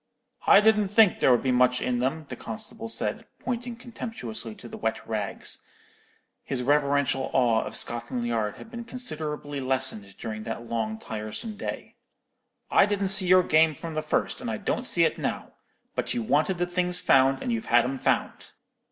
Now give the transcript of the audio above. "'I didn't think there would be much in them,' the constable said, pointing contemptuously to the wet rags; his reverential awe of Scotland Yard had been considerably lessened during that long tiresome day. 'I didn't see your game from the first, and I don't see it now. But you wanted the things found, and you've had 'em found.'